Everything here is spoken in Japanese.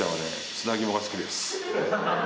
砂肝が好きです」